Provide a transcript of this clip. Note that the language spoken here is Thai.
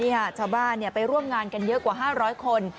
นี่ค่ะชาวบ้านไปร่วมงานกันเยอะกว่า๕๐๐คน